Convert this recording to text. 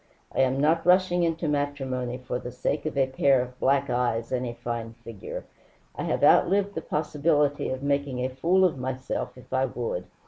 I am not rushing into matrimony for the sake of a pair of black eyes and a fine figure. I have outlived the possibility of making a fool of myself if I would.